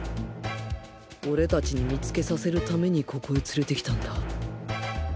俺達に見つけさせるためにここへ連れて来たんだ